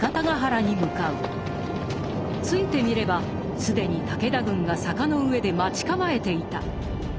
着いてみれば既に武田軍が坂の上で待ち構えていた。